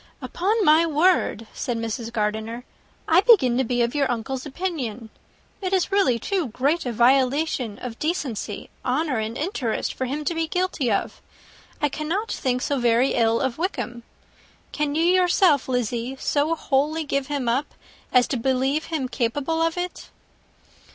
"Upon my word," said Mrs. Gardiner, "I begin to be of your uncle's opinion. It is really too great a violation of decency, honour, and interest, for him to be guilty of it. I cannot think so very ill of Wickham. Can you, yourself, Lizzie, so wholly give him up, as to believe him capable of it?"